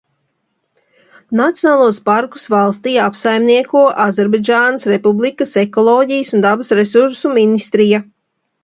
Nacionālos parkus valstī apsaimnieko Azerbaidžānas Republikas Ekoloģijas un dabas resursu ministrija.